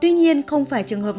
tuy nhiên không phải trường hợp nào